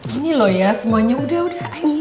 ini loh ya semuanya udah udah ini